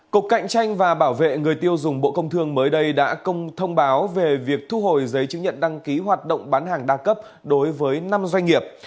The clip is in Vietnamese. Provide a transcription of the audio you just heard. cục cạnh tranh và bảo vệ người tiêu dùng bộ công thương mới đây đã thông báo về việc thu hồi giấy chứng nhận đăng ký hoạt động bán hàng đa cấp đối với năm doanh nghiệp